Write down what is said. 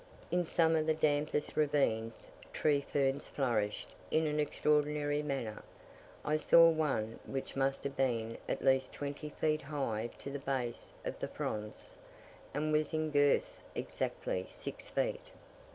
In some of the dampest ravines, tree ferns flourished in an extraordinary manner; I saw one which must have been at least twenty feet high to the base of the fronds, and was in girth exactly six feet.